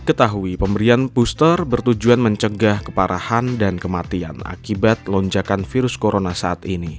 ketahui pemberian booster bertujuan mencegah keparahan dan kematian akibat lonjakan virus corona saat ini